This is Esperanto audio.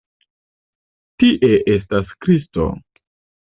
Tie estas Kristo!